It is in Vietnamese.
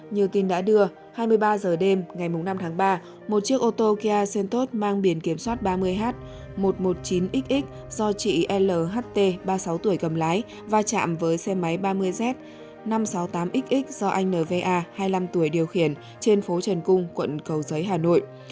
như tin đã đưa hai mươi ba h đêm ngày năm tháng ba một chiếc ô tô kia mang biển kiểm soát ba mươi h một trăm một mươi chín xx do chị lht ba mươi sáu tuổi cầm lái va chạm với xe máy ba mươi z năm trăm sáu mươi tám xx do anh nva hai mươi năm tuổi điều khiển trên phố trần cung quận cầu giấy hà nội